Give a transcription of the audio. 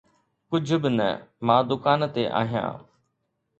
ڪجھ به نه، مان دڪان تي آهيان.